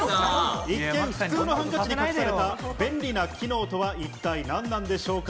一見、普通のハンカチに隠された便利な機能とは一体何でしょうか？